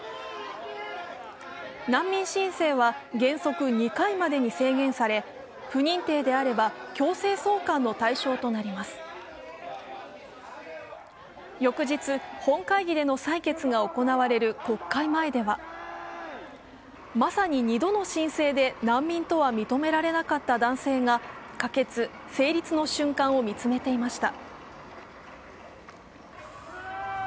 難民申請は原則２回までに制限され不認定であれば、強制送還の対象となります翌日、本会議での採決が行われる国会前では、まさに２度の申請で難民とは認められなかった男性が可決・成立の瞬間を見つめていました。